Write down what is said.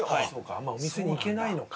あんまりお店に行けないのか。